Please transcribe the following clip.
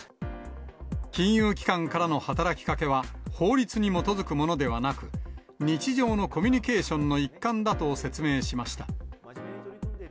金融機関からの働きかけは、法律に基づくものではなく、日常のコミュニケーションの一環だと説明しました。